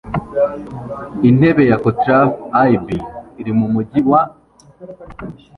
Intebe ya COTRAF IB iri mu MUJYI WA